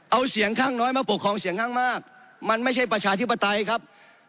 เอาเสียงข้างน้อยมาปกครองเสียงข้างมากมันไม่ใช่ประชาธิปไตยครับ